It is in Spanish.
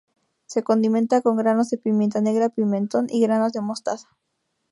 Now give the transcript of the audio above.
Se condimenta con granos de pimienta negra, pimentón y granos de mostaza.